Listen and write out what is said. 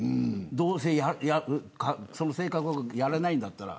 どうせ性格的にやれないんだったら。